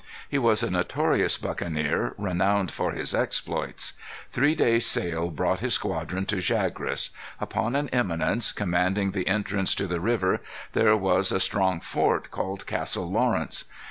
He was a notorious buccaneer, renowned for his exploits. Three days' sail brought his squadron to Chagres. Upon an eminence, commanding the entrance to the river, there was a strong fort, called Castle Lawrence.